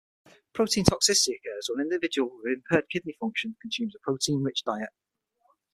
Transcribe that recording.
Protein toxicity occurs when an individual with impaired kidney function consumes protein rich diet.